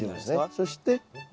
そして？